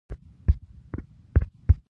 د نړۍ ستر استوګنځایونو کې ښارونه را ښکاره شول.